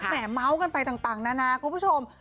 แหมเม้ากันไปต่างนะนะครับคุณผู้ชม